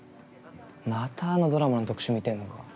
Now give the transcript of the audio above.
またあのドラマの特集見てんのか。